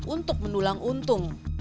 untuk mendulang untung